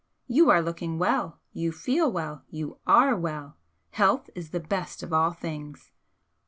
You are looking well, you feel well you are well! Health is the best of all things."